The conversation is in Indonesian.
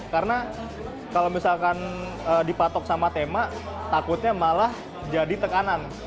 karena kalau misalkan dipatok sama tema takutnya malah jadi tekanan